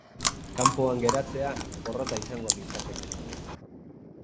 Kanpoan geratzea porrota izango litzateke.